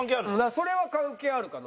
それは関係あるかな。